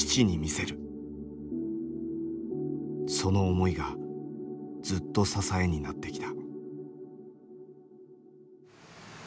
その思いがずっと支えになってきた。